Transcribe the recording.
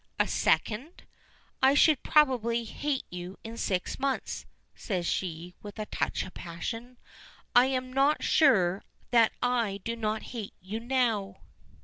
"A second?" "I should probably hate you in six months," says she, with a touch of passion. "I am not sure that I do not hate you now."